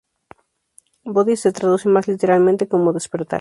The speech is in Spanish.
Bodhi se traduce más literalmente como despertar.